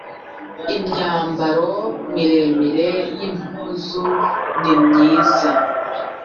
imyambaro miremire y impuzu nimyiza